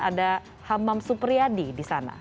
ada hamam supriyadi di sana